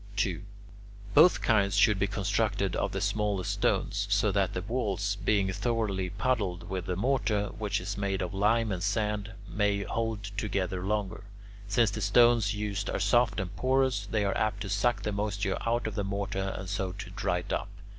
2. Both kinds should be constructed of the smallest stones, so that the walls, being thoroughly puddled with the mortar, which is made of lime and sand, may hold together longer. Since the stones used are soft and porous, they are apt to suck the moisture out of the mortar and so to dry it up.